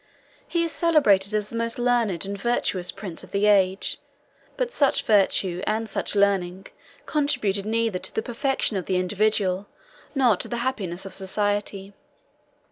He is celebrated as the most learned and virtuous prince of the age; but such virtue, and such learning, contributed neither to the perfection of the individual, nor to the happiness of society.